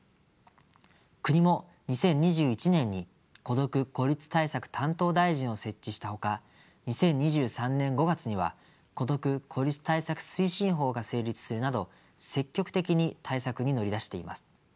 国も２０２１年に孤独・孤立対策担当大臣を設置したほか２０２３年５月には孤独・孤立対策推進法が成立するなど積極的に対策に乗り出しています。